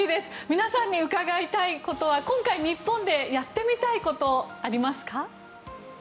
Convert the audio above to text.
皆さんに伺いたいことは今回、日本でやってみたいことありますか？